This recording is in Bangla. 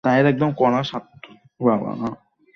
আপনারা কি হিতাহিতজ্ঞান হারিয়েছেন?